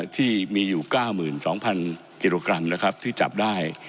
ที่มีอยู่๙๒๐๐กิโลกรัมนะครับที่จับได้